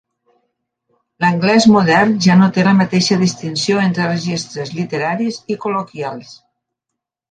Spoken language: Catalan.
L'anglès modern ja no té la mateixa distinció entre registres literaris i col·loquials.